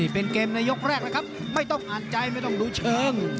เป็นเกมในยกแรกแล้วครับไม่ต้องอ่านใจไม่ต้องดูเชิง